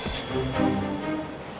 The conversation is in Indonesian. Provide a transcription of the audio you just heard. tidak ada apa apa